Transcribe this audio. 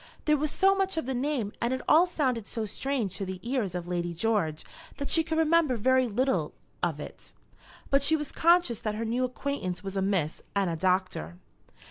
There was so much of the name and it all sounded so strange to the ears of Lady George that she could remember very little of it, but she was conscious that her new acquaintance was a miss and a doctor.